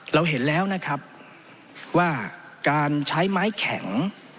เราเห็นแล้วนะครับว่าการใช้ไม้แข็ง